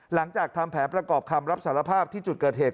หลังจากทำแผนประกอบคำรับสารภาพที่จุดเกิดเหตุ